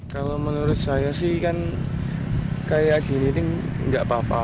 kalau menurut saya sih kan kayak gini ini nggak apa apa